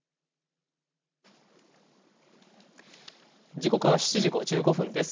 時刻は７時５５分です。